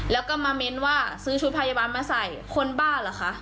แล้วก็มาเม้นว่าซื้อชุดพยาบาลมาใส่คนบ้าเหรอคะ